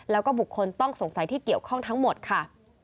แล้วก็บุคคลต้องสงสัยที่เกี่ยวข้องทั้งหมดค่ะ